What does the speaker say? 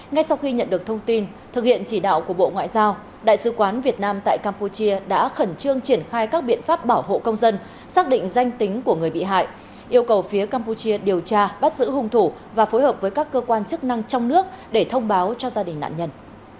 ngay sau khi nhận được thông tin thực hiện chỉ đạo của bộ ngoại giao đại sứ quán việt nam tại campuchia đã khẩn trương triển khai các biện pháp bảo hộ công dân xác định danh tính của người bị hại yêu cầu phía campuchia điều tra bắt giữ hung thủ và phối hợp với các cơ quan chức năng trong nước để thông báo cho gia đình nạn nhân